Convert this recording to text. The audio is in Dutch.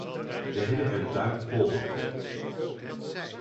We hebben er de buik vol van.